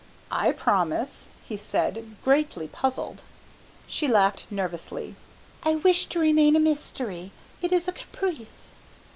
"I promise," he said, greatly puzzled. She laughed nervously. "I wish to remain a mystery. It is a caprice."